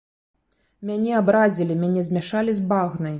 Мяне абразілі, мяне змяшалі з багнай!